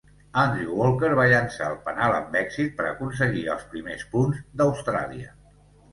Andrew Walker va llançar el penal amb èxit per aconseguir els primers punts d"Austràlia.